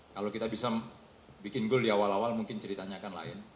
kalau kita bisa bikin goal di awal awal mungkin ceritanya akan lain